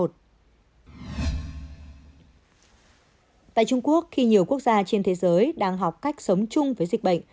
tại trung quốc khi nhiều quốc gia trên thế giới đang học cách sống chung với dịch bệnh